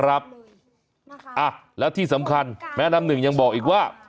แล้วที่สำคัญแม่น้ำหนึ่งยังบอกอีกว่า